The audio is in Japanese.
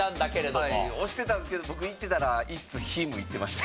押してたんですけど僕いってたらＩｔ’ｓｈｉｍいってました。